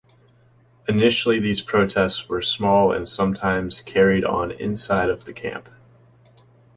Initially these protests were small and sometimes carried on inside of the camp.